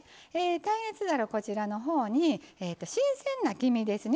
耐熱皿こちらの方に新鮮な黄身ですね